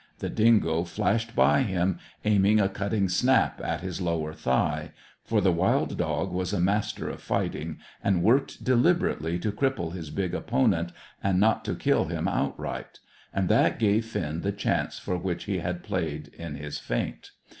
The dingo flashed by him, aiming a cutting snap at his lower thigh for the wild dog was a master of fighting, and worked deliberately to cripple his big opponent and not to kill him outright and that gave Finn the chance for which he had played in his feint.